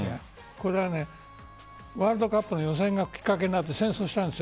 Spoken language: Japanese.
これはワールドカップの予選がきっかけになって戦争したんです。